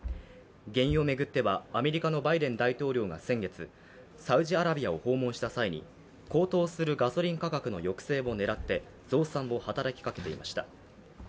原油を巡ってはアメリカのバイデン大統領が先月、サウジアラビアを訪問した際に高騰するガソリン価格の抑制を狙って増産を働きかけていました。